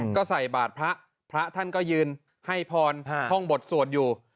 ก็ใส่บาทพระพระท่านก็ยืนให้พรท่องบทสวดอยู่